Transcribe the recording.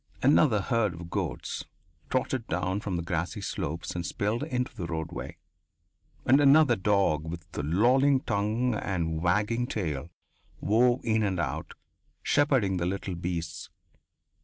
Another herd of goats trotted down from the grassy slopes and spilled into the road way. And another dog with lolling tongue and wagging tail wove in and out, shepherding the little beasts.